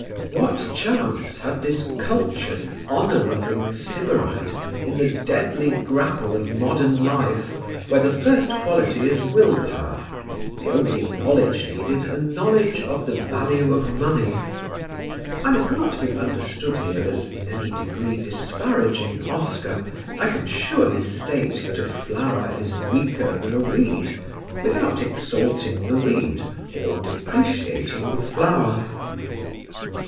What chance had this cultured honour loving Sybarite in the deadly grapple of modern life where the first quality is will power, the only knowledge needed a knowledge of the value of money. I must not be understood here as in any degree disparaging Oscar. I can surely state that a flower is weaker than a weed without exalting the weed or depreciating the flower.